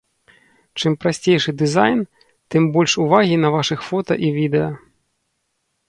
Чым прасцейшы дызайн, тым больш увагі на вашых фота і відэа.